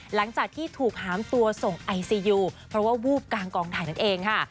หลังจากที่ถูกหามตัวส่งไอซียูเพราะว่าวูบกลางกองถ่ายนั่นเองค่ะ